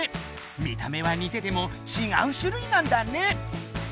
見た目はにててもちがうしゅ類なんだね。